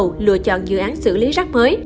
chúng ta vừa chọn dự án xử lý rác mới